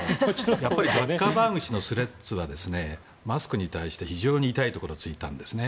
やっぱりザッカーバーグ氏のスレッズはマスクに対して非常に痛いところを突いたんですね。